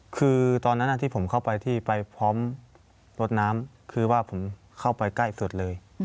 คือตอนนั้นที่ผมเข้าไปที่ไปพร้อมรถน้ำคือว่าผมเข้าไปใกล้สุดเลย